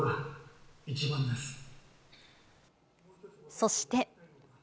そして。